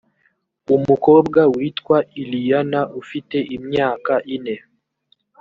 umukobwa witwa iliana ufite imyaka ine